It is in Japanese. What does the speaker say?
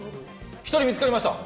１人見付かりました！